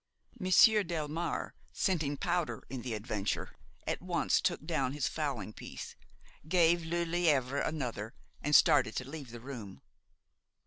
Monsieur Delmare, scenting powder in the adventure, at once took down his fowling piece, gave Lelièvre another, and started to leave the room.